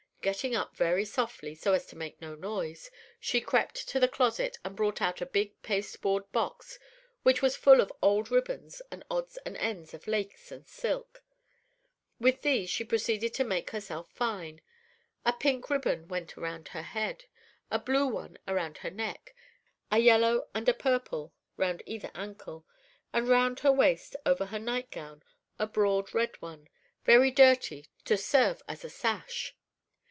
Getting up very softly, so as to make no noise, she crept to the closet, and brought out a big pasteboard box which was full of old ribbons and odds and ends of lace and silk. With these she proceeded to make herself fine; a pink ribbon went round her head, a blue one round her neck, a yellow and a purple round either ankle, and round her waist, over her night gown a broad red one, very dirty, to serve as a sash.